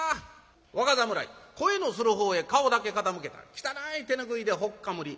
若侍声のするほうへ顔だけ傾けたら汚い手拭いでほっかむり。